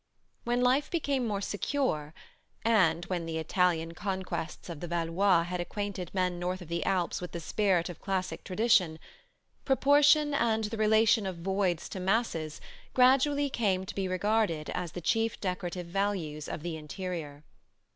When life became more secure, and when the Italian conquests of the Valois had acquainted men north of the Alps with the spirit of classic tradition, proportion and the relation of voids to masses gradually came to be regarded as the chief decorative values of the interior.